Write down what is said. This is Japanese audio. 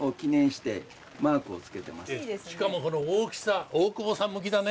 しかもこの大きさ大久保さん向きだね。